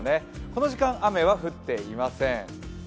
この時間、雨は降っていません。